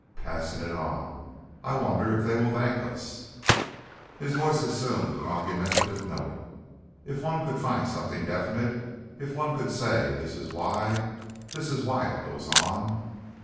"Passing it on. I wonder if they will thank us." His voice assumed an argumentative note. "If one could find something definite ... If one could say, 'This is why this is why it goes on....'"